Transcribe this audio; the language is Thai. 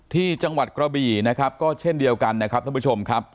ที่จังหวัดกระบี่นะครับก็เช่นเดียวกันนะครับท่านผู้ชมครับ